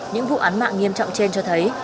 những vụ án mạng nghiêm trọng trên cho thấy